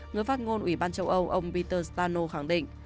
người phát ngôn ủy ban châu âu ông peter sano khẳng định